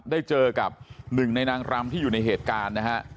ได้เจอกับหนึ่งในนางรำที่อยู่ในเหตุการณ์นะฮะ